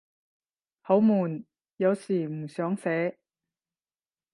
好悶，有時唔想寫